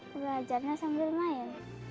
belajarnya sambil main